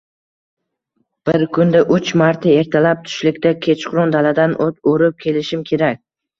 Bir kunda uch marta ertalab, tushlikda, kechqurun daladan o‘t o‘rib kelishim kerak